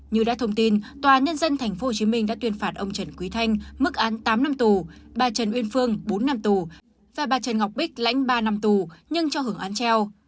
như đã thông tin tòa nhân dân tp hcm đã tuyên phạt ông trần quý thanh mức án tám năm tù bà trần uyên phương bốn năm tù và bà trần ngọc bích lãnh ba năm tù nhưng cho hưởng án treo